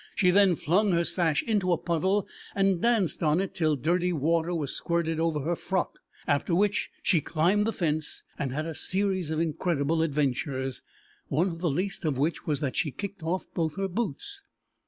She then flung her sash into a puddle and danced on it till dirty water was squirted over her frock, after which she climbed the fence and had a series of incredible adventures, one of the least of which was that she kicked off both her boots.